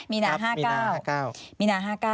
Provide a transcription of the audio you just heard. ครับมีนา๕๙มีนา๕๙มีนา๕๙